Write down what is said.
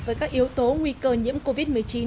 với các yếu tố nguy cơ nhiễm covid một mươi chín